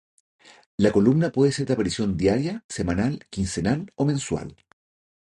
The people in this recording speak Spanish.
La columna puede ser de aparición diaria, semanal, quincenal o mensual.